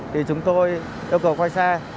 thì chúng tôi yêu cầu quay xe